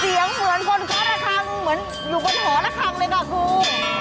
เสียงเหมือนคนฟ้าระคังเหมือนอยู่บนหอระคังเลยค่ะครู